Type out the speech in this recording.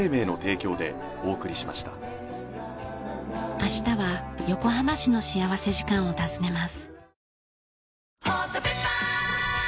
明日は横浜市の幸福時間を訪ねます。